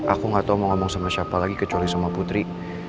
aku gak tau mau ngomong sama siapa lagi kecuali sama putri